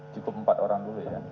cukup empat orang dulu ya